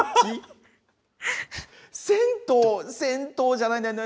銭湯、銭湯じゃないんです。